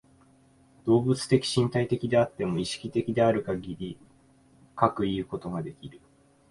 動物的身体的であっても、意識的であるかぎりかくいうことができる。